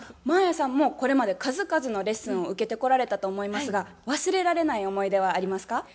真彩さんもこれまで数々のレッスンを受けてこられたと思いますが忘れられない思い出はありますか？